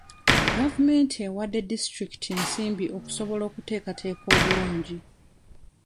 Gavumenti ewadde disitulikiti ensimbi okusobola okuteekataaka obulungi.